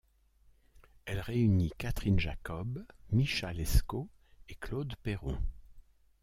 Elle réunit Catherine Jacob, Micha Lescot et Claude Perron.